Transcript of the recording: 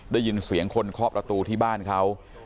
ได้ยินเสียงคนเคาะประตูที่บ้านเขา